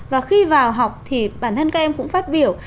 và khi vào học thì bản thân các em cũng phát biểu